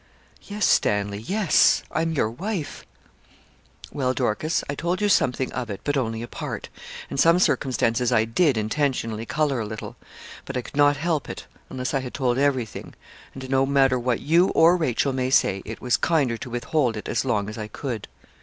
'Yes, Stanley yes. I'm your wife.' 'Well, Dorcas, I told you something of it; but only a part, and some circumstances I did intentionally colour a little; but I could not help it, unless I had told everything; and no matter what you or Rachel may say, it was kinder to withhold it as long as I could.'